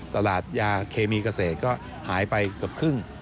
ตลาดยาเคมีเกษตรก็หายไปเกือบครึ่ง